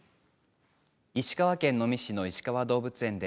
石川県能美市のいしかわ動物園で。